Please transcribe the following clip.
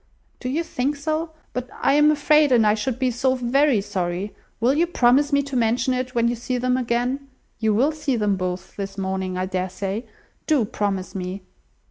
"Do you think so? But I am afraid; and I should be so very sorry. Will you promise me to mention it, when you see them again? You will see them both this morning, I dare say. Do promise me."